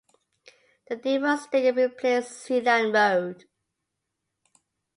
The Deva Stadium replaced Sealand Road.